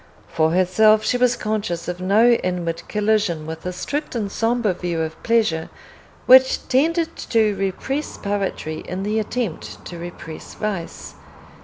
For herself, she was conscious of no inward collision with the strict and sombre view of pleasure which tended to repress poetry in the attempt to repress vice.